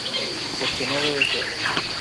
porque no debe ser.